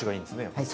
はい。